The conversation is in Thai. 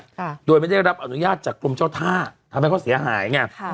ค่ะโดยไม่ได้รับอนุญาตจากกรมเจ้าท่าทำให้เขาเสียหายไงค่ะ